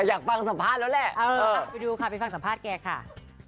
เอ่อไปดูค่ะไปฟังสัมภาษณ์แกค่ะ